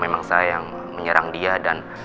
memang saya yang menyerang dia dan